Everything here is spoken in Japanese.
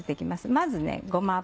まずごま油。